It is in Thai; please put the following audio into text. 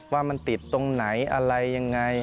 ว่ามันติดตรงไหนอะไรยังไง